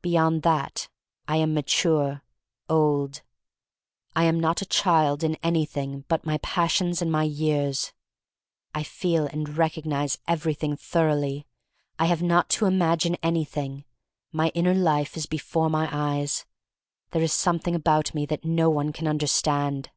Beyond that I am mature — old. I am not a child in anything but my passions and my years. I feel and recognize everything I70 THE STORY OF MARY MAC LANE thoroughly. I have not to imagine anything. My inner life is before my eyes. There is something about me that no one can understand.